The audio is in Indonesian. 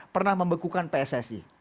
pernah membekukan pssi